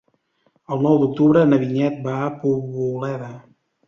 El nou d'octubre na Vinyet va a Poboleda.